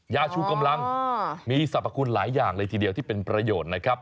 ยาชูกำลังมีสรรพคุณหลายอย่างเลยทีเดียวที่เป็นประโยชน์นะครับ